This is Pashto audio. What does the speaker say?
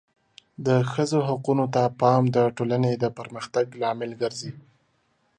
د ښځو حقونو ته پام د ټولنې د پرمختګ لامل ګرځي.